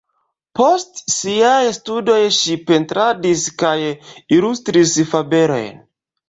Post siaj studoj ŝi pentradis kaj ilustris fabelojn.